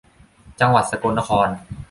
จังหวัดสกลนคร